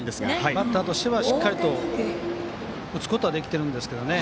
バッターとしてはしっかりと打つことはできているんですけどね。